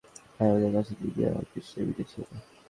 ভাই, আমাদের কাছে দিবিয়া আর কৃষ্ণার ভিডিও ছিল।